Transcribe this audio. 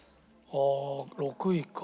ああ６位か。